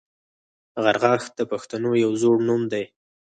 غرغښت د پښتنو یو زوړ نوم دی